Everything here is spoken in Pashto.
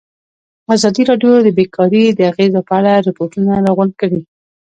ازادي راډیو د بیکاري د اغېزو په اړه ریپوټونه راغونډ کړي.